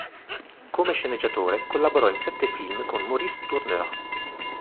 Come sceneggiatore, collaborò in sette film con Maurice Tourneur.